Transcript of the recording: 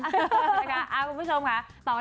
นะคะคุณผู้ชมค่ะ